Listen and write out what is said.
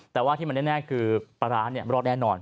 แต่ว่าที่มันแน่คือปลาร้ารอดแน่นอน